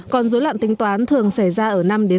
còn dối loạn tính toán thường xảy ra ở năm tám trẻ